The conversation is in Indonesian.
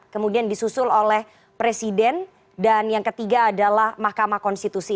kemudian disusul oleh presiden dan yang ketiga adalah mahkamah konstitusi